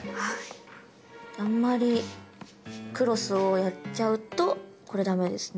あんまりクロスをやっちゃうとこれダメですね。